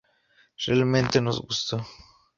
Realmente nos gustó.